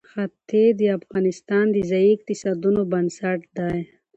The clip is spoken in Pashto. ښتې د افغانستان د ځایي اقتصادونو بنسټ دی.